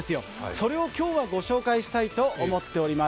それを今日はご紹介したいと思っております。